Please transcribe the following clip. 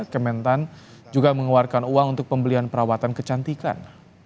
kementan juga mengeluarkan uang untuk pembelian perawatan kecantikan